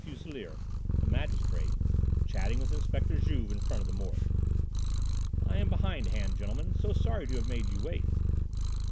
Fuselier, the magistrate, chatting with Inspector Juve in front of the Morgue. "I am behind hand, gentlemen. So sorry to have made you wait."